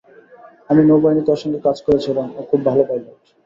আমি নৌবাহিনীতে ওর সঙ্গে কাজ করেছিলাম, ও খুব ভালো পাইলট।